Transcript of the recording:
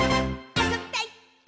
あそびたい！」